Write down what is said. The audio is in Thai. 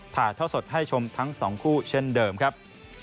ถ่ายท่อสดให้ชมทั้งสองคู่เช่นเดิมครับ